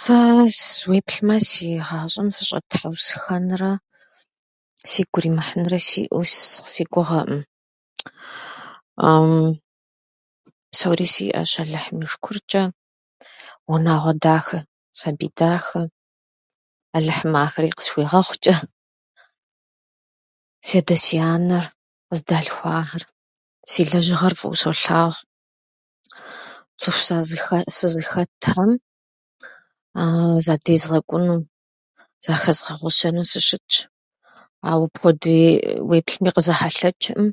Сэ уеплъмэ, си гъащӏэм сыщӏэтхьэусыхэнрэ сигу иримыхьынрэ сиӏэу с- си гугъэкъым. Псори сиӏэщ Алыхьым и шыкурчӏэ. Унагъуэ дахэ, сабий дахэ. Алыхьым ахэри къысхуигъэхъучӏэ. Си адэ-си анэр, къыздалъхуахьэр, си лэжьыгъэр фӏыуэ солъагъу. Цӏыху сазыхэ- сызыхэтхьэм задезгъэкӏуну, захэзгъэгъуэщэну сыщытщ. Ауэ апхуэдэуи уеплъми къызэхьэлъэкӏӏым.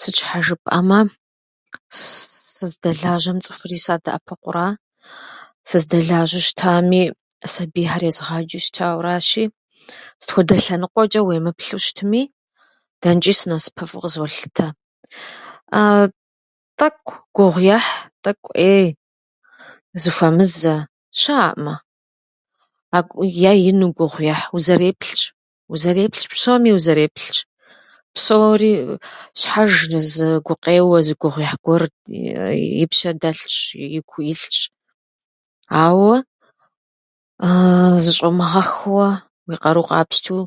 Сыт щхьа жыпӏэмэ, сыздэлажьэми цӏыхум садэӏэпыкъуу ара. Сыздэлажьэу щытами, сабийхэр езгъаджэу щытащи, сыт хуэдэ лъэныкъуэчӏэ уемыплъу щытми, дэнэчӏи сынасыпыфӏэу къызолъытэ. Тӏэкӏу гугъуехь, тӏэкӏу ӏей зыхуэмызэ щыӏэӏымэ, а- е ину гугъу ехь, узэреплъщ. Узэреплъщ, псоми узэреплъщ. Псори щхьэж зы гукъеуэ, зы гугъуехь гуэр и пщэ дэлъщ, игу илъщ, ауэ зыщӏомыгъэхуэ, уи къарур къапщтэу,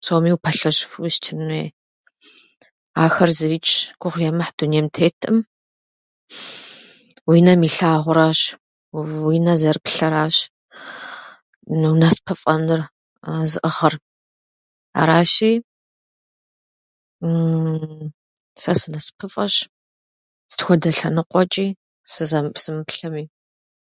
псоми упэлъэщыфу ущытын хуей. Ахэр зыричӏщ. Гугъу емыхь дунейм теткъым. Уи нэм илъагъуращ, уи нэр зэрыплъэращ унасыпыфӏэныр зыӏыгъыр. Аращи, сэ сынасыпыфӏэщ сыт хуэдэ лъэныкъуэчӏи. [unintelligible]